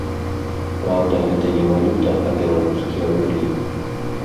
Праўда, гэта не валюта, а беларускія рублі.